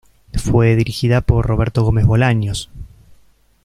Fue dirigida por Roberto Gómez Bolaños.